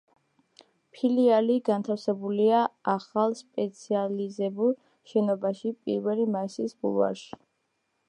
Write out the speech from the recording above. ფილიალი განთავსებულია ახალ სპეციალიზებულ შენობაში „პირველი მაისის“ ბულვარში.